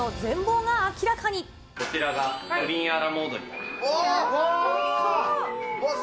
こちらがプリンアラモードにあっ。